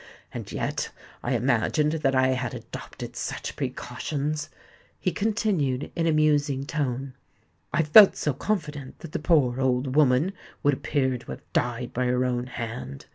And yet I imagined that I had adopted such precautions!" he continued, in a musing tone. "I felt so confident that the poor, old woman would appear to have died by her own hand!